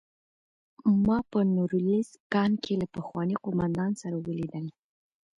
ما په نوریلیسک کان کې له پخواني قومندان سره ولیدل